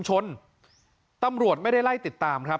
ส่งมาขอความช่วยเหลือจากเพื่อนครับ